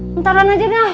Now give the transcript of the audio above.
bentaran aja deh